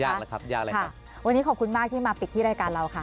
ครับยากเลยค่ะวันนี้ขอบคุณมากที่มาปิดที่รายการเราค่ะ